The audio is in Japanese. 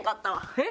えっ？